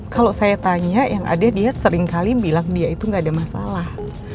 kalau saya tanya yang ada dia seringkali bilang dia itu nggak ada masalah